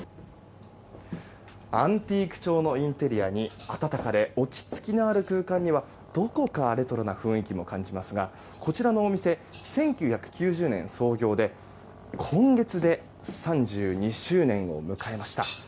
アンティーク調のインテリアに温かで落ち着きのある空間にはどこかレトロな雰囲気も感じますがこちらのお店１９９０年創業で今月で３２周年を迎えました。